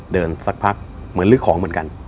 เดินสักพักเหมือนลึกของเหมือนกัน